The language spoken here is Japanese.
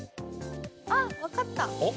あっ分かった。